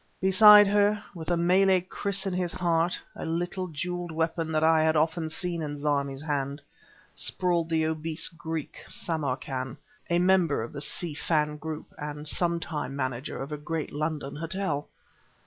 Beside her, with a Malay krîs in his heart a little, jeweled weapon that I had often seen in Zarmi's hand sprawled the obese Greek, Samarkan, a member of the Si Fan group and sometime manager of a great London hotel!